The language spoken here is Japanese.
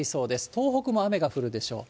東北も雨が降るでしょう。